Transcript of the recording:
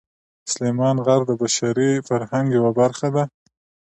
سلیمان غر د بشري فرهنګ یوه برخه ده.